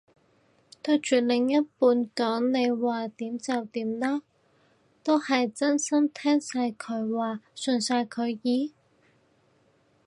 對住另一半講你話點就點啦，都係真心聽晒佢話順晒佢意？